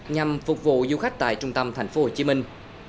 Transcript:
nhằm phục vụ du khách tại trung tâm thành phố hồ chí minh